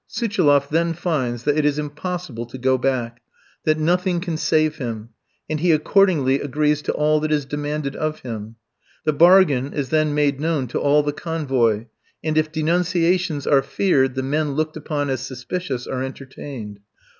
Suchiloff then finds that it is impossible to go back, that nothing can save him, and he accordingly agrees to all that is demanded of him. The bargain is then made known to all the convoy, and if denunciations are feared, the men looked upon as suspicious are entertained.